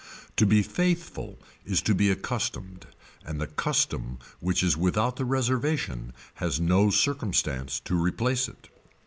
To be faithful is to be accustomed and the custom which is without that reservation has no circumstance to replace it.